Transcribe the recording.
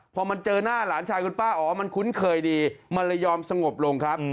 พอมันเจอหน้าหลานชายคุณป้าอ๋อมันคุ้นเคยดีมันเลยยอมสงบลงครับ